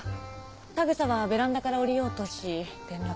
田草はベランダから降りようとし転落。